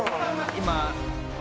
今。